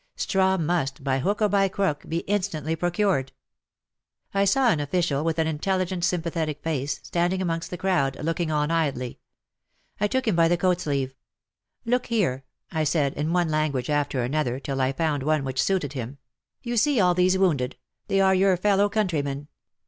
Straw must, by hook or by crook, be instantly procured. I saw an official with an intelligent, sympathetic face, standing amongst the crowd, looking on idly. I took him by the coat sleeve. " Look here," I said, in one language after another till I found one which suited him, 120 WAR AND WOMEN "you see all these wounded — they are your fellow countrymen.